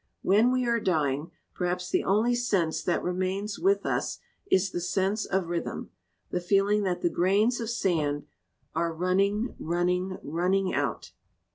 When we are dying, perhaps the only sense that remains with us is the sense of rhythm the feeling that the grains of sand are running, running, running out.